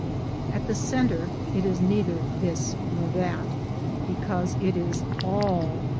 At the centre it is neither this nor that, because it is All.